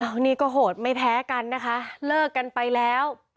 อันนี้ก็โหดไม่แพ้กันนะคะเลิกกันไปแล้ว